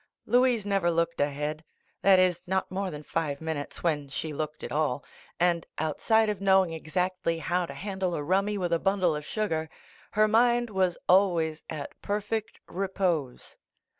Louise never looked ahead. That is, not more than five minutes, when she looked at all, and outside of knowing exactly how to handle a rummy with a bundle of sugar, her mind was always at perfect repose.